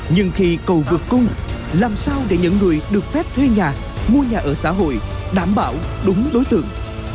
nhưng khi cầu vượt cung làm sao để những người được phép thuê nhà mua nhà ở xã hội đảm bảo đúng đối tượng